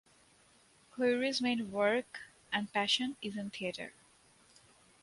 Khoury’s main work and passion is in theatre.